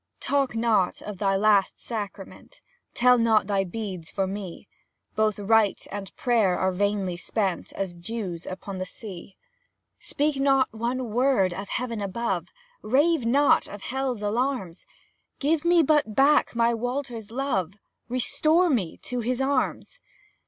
Talk not of thy Last Sacrament, Tell not thy beads for me; Both rite and prayer are vainly spent, As dews upon the sea. Speak not one word of Heaven above, Rave not of Hell's alarms; Give me but back my Walter's love, Restore me to his arms!